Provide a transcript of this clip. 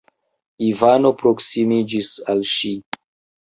Ivano proksimiĝis al ŝi.